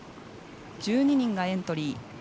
１２人がエントリー。